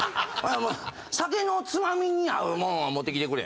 もう酒のつまみに合うもんを持ってきてくれ。